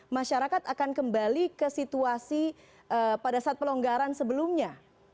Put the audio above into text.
masyarakat akan kembali ke situasi pada saat pelonggaran sebelumnya